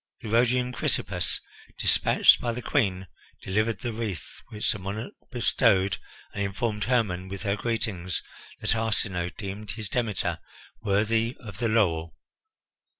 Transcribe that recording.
The Rhodian Chrysippus, despatched by the Queen, delivered the wreath which the monarch bestowed, and informed Hermon, with her greetings, that Arsinoe deemed his Demeter worthy of the laurel.